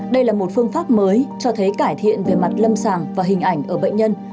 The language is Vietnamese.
đây là một phương pháp mới cho thấy cải thiện về mặt lâm sàng và hình ảnh ở bệnh nhân